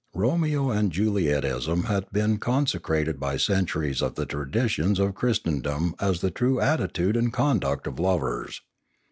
Romeo and Julietism had been consecrated by centuries of the traditions of Christendom as the true attitude and conduct of lovers.